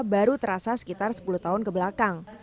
baru terasa sekitar sepuluh tahun kebelakang